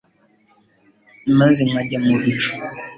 Maze Nkajya mu bicu